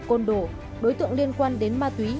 côn đồ đối tượng liên quan đến ma túy